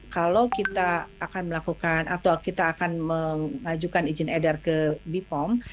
kalau kita akan melakukan atau kita akan memajukan izin eder ke bepom